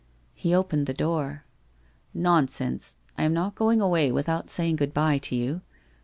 He opened the door. ' Nonsense ! I am not going away without saying good bye to you.